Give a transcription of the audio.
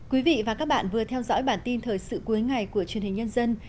quý vị và các bạn vừa theo dõi bản tin thời sự cuối ngày của truyền hình nhân dân